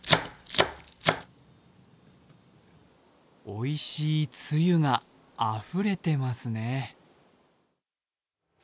おいしいつゆがあふれてますね。